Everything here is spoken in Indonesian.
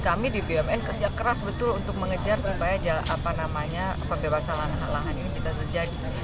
kami di bumn kerja keras betul untuk mengejar supaya pembebasan lahan ini tidak terjadi